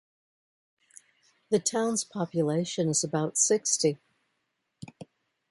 The town's population is about sixty.